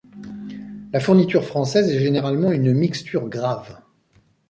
La fourniture française est généralement une mixture grave.